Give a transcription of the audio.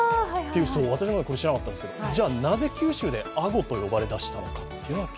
私もこれ知らなかったんですけど、じゃあなぜ九州でアゴと呼ばれたか。